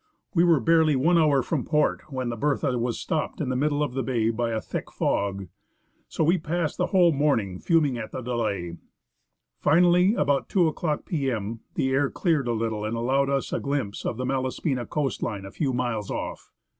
We were barely one hour from port when the Bertha was stopped in the middle of the bay by a thick fog. So we passed the whole morning fuming at the delay. Finally, about 2 o'clock p.m., the air cleared a little and allowed us a glimpse of the Malaspina coast line a few miles off.